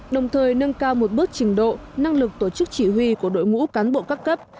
đồng thời nâng cao một bước trình độ năng lực tổ chức chỉ huy của đội ngũ cán bộ các cấp